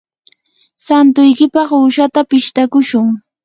santuykipaq uushata pishtakushun.